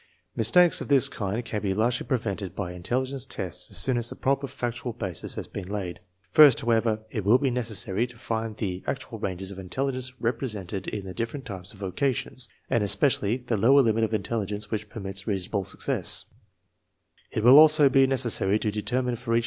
Mistakes of this kind can be largely prevented by intelligence tests as soon as the proper factual basis has been laid^JBIrst, however, it will be necessary to find.the^actual ranges of intelligence represented in the different types of vocations, and especially the lower limit of intelligence which permits reasonable success^ It will also be necessary to determine for each